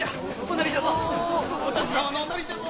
お田鶴様のおなりじゃぞ！